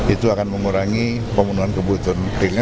itu akan mengurangi pembunuhan kebutuhan rilnya